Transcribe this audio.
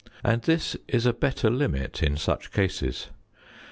And this is a better limit in such cases.